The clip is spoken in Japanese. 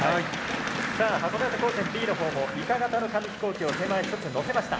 さあ函館高専Ｂのほうもイカ型の紙飛行機を手前１つ乗せました。